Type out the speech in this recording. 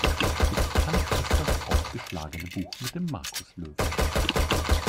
Bekannt ist das aufgeschlagene Buch mit dem Markuslöwen.